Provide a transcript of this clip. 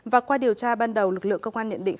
và qua điều tra ban đầu lực lượng công an nhận định